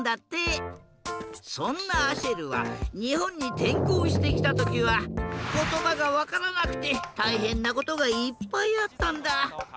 そんなアシェルはにほんにてんこうしてきたときはことばがわからなくてたいへんなことがいっぱいあったんだ。